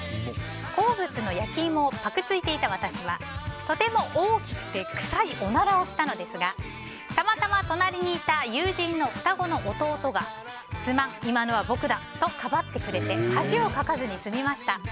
好物の焼き芋をパクついていた私はとても大きくて臭いおならをしたのですがたまたま隣にいた友人の双子の弟がすまん、今のは僕だとかばってくれて恥をかかずに済みました。